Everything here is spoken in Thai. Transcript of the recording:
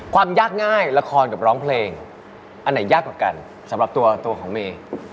ความยากง่ายละครกับร้องเพลงอันไหนยากกว่ากันสำหรับตัวของเมย์